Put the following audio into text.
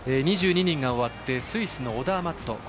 ２２人が終わってスイスのオダーマット。